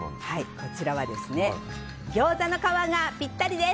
こちらは、ギョーザの皮がぴったりです。